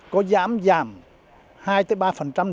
có dám giảm hai ba